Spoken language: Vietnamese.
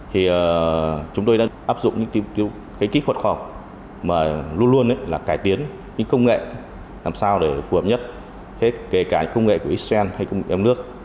thì chúng tôi đã áp dụng những kỹ thuật khó khăn mà luôn luôn là cải tiến những công nghệ làm sao để phù hợp nhất kể cả công nghệ của xn hay công nghệ đồng nước